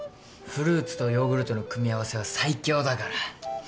フルーツとヨーグルトの組み合わせは最強だから。